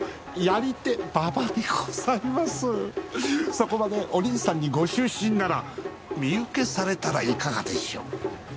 そこまでおりんさんにご執心なら身請けされたらいかがでしょう？